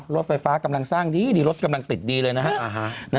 รถไฟฟ้ากำลังสร้างดีรถกำลังติดดีเลยนะฮะ